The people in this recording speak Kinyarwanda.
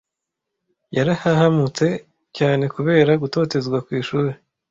Yarahahamutse cyane kubera gutotezwa ku ishuri.